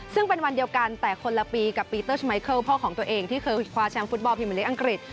ซึ่งเป็นวันเดียวกันแต่คนละปีกับปีเตอร์ชมัยเคิลพ่อของตัวเองที่เคยคว้าแชมป์ฟุตบอลพิมพลิกอังกฤษ